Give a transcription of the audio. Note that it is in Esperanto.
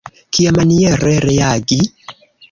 Kiamaniere reagi?